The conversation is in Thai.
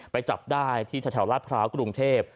จับได้ที่แถวลาดพร้าวกรุงเทพ